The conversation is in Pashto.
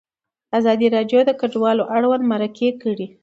ازادي راډیو د کډوال اړوند مرکې کړي.